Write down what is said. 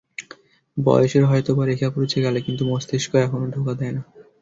বয়সের হয়তোবা রেখা পড়েছে গালে, কিন্তু মস্তিষ্ক এখনো ধোঁকা দেয় না।